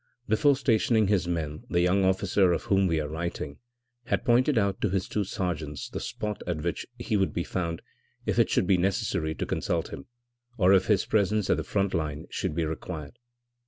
Before stationing his men the young officer of whom we are writing had pointed out to his two sergeants the spot at which he would be found if it should be necessary to consult him, or if his presence at the front line should be required.